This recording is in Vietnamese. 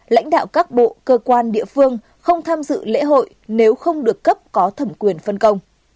lãnh đạo các bộ cơ quan địa phương không tham dự lễ hội nếu không được cấp có thẩm quyền phân công